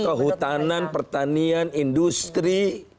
kehutanan pertanian industri